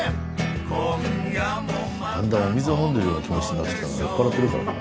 だんだんお水を飲んでるような気持ちになってきたのは酔っ払ってるからかな？